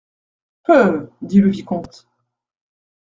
Peuh ! dit le vicomte.